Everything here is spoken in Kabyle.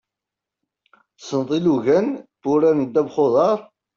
Tessneḍ ilugan n wurar n ddabex n uḍar?